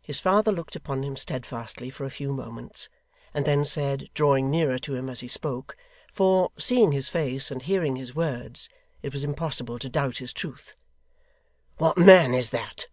His father looked upon him steadfastly for a few moments, and then said drawing nearer to him as he spoke, for, seeing his face, and hearing his words, it was impossible to doubt his truth: 'What man is that?